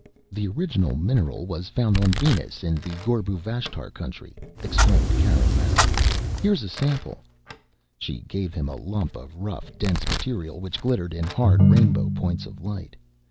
"The original mineral was found on Venus, in the Gorbu vashtar country," explained Karen Marek. "Here's a sample." She gave him a lump of rough, dense material which glittered in hard rainbow points of light.